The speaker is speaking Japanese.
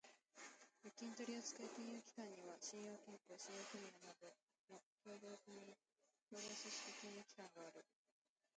預金取扱金融機関には、信用金庫、信用組合などの協同組織金融機関がある。